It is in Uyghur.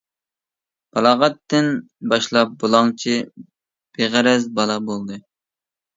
بالاغەتتىن باشلاپ بۇلاڭچى، بىغەرەز بالا بولدى.